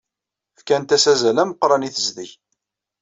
Fkant-as azal ameqran i tezdeg.